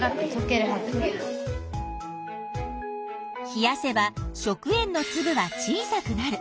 冷やせば食塩のつぶは小さくなる。